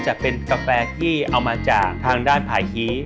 จะเป็นกาแฟที่เอามาจากทางด้านภายคี้